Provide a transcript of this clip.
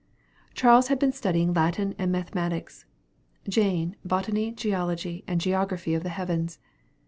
Charles had been studying Latin and mathematics; Jane, botany, geology, and geography of the heavens.